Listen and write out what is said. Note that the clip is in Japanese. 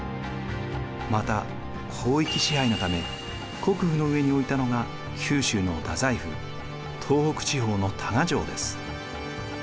また広域支配のため国府の上に置いたのが九州の大宰府東北地方の多賀城です。